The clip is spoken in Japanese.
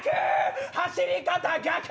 走り方逆！